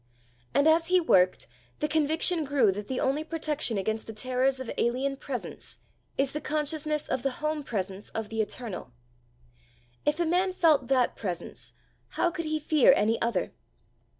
And as he worked, the conviction grew that the only protection against the terrors of alien presence is the consciousness of the home presence of the eternal: if a man felt that presence, how could he fear any other?